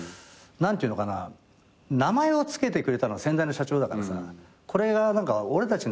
名前を付けてくれたのは先代の社長だからさこれが何か俺たちの。